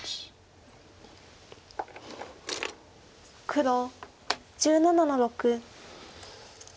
黒１７の六。